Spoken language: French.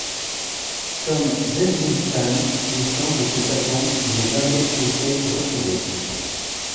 Comme Genghis Khan, il semble que sa tombe n'ait jamais été retrouvée.